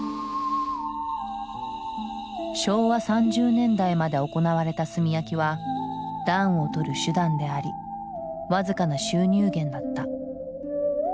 昭和３０年代まで行われた炭焼きは暖をとる手段であり僅かな収入源だった。